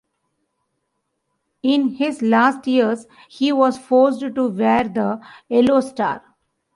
In his last years he was forced to wear the yellow star.